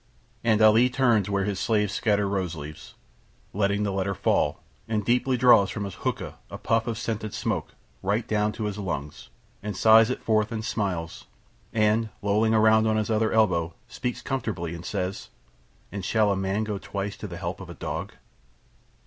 And Ali turns where his slaves scatter rose leaves, letting the letter fall, and deeply draws from his hookah a puff of the scented smoke, right down into his lungs, and sighs it forth and smiles, and lolling round on to his other elbow speaks comfortably and says, "And shall a man go twice to the help of a dog?"